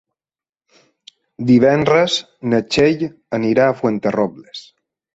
Divendres na Txell anirà a Fuenterrobles.